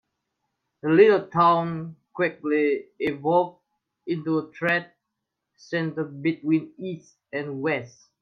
The little town quickly evolved into a trade center between east and west.